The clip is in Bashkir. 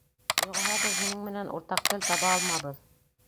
Юғиһә беҙ һинең менән уртаҡ тел таба алмабыҙ!